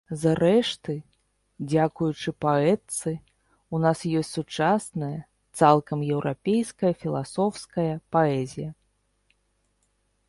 Зрэшты, дзякуючы паэтцы ў нас ёсць сучасная, цалкам еўрапейская філасофская паэзія.